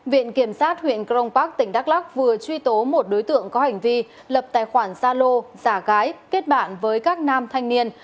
viện kiểm sát huyện crong park tỉnh đắk lắc vừa truy tố một đối tượng có hành vi lập tài khoản gia lô giả gái kết bạn với các nam thanh niên